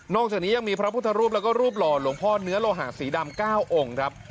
จากนี้ยังมีพระพุทธรูปแล้วก็รูปหล่อหลวงพ่อเนื้อโลหะสีดำ๙องค์ครับ